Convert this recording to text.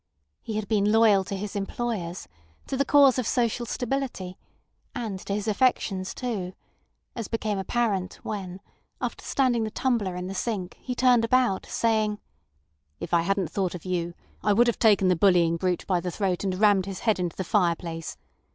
He had been loyal to his employers, to the cause of social stability,—and to his affections too—as became apparent when, after standing the tumbler in the sink, he turned about, saying: "If I hadn't thought of you I would have taken the bullying brute by the throat and rammed his head into the fireplace.